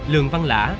lường văn lã